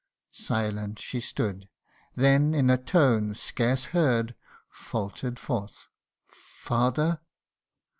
Silent she stood then, in a tone scarce heard, Faulter'd forth, ' father